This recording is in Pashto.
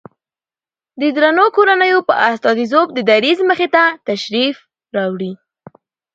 د درنو کورنيو په استازيتوب د دريځ مخې ته تشریف راوړي